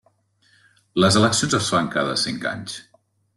Les eleccions es fan cada cinc anys.